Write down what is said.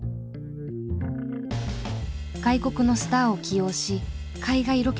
外国のスターを起用し海外ロケの第一人者。